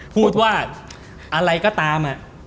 พูดว่าอะไรก็ตาม